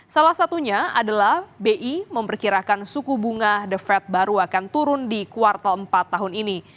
salah satunya adalah bi memperkirakan suku bunga the fed baru akan turun di kuartal empat tahun ini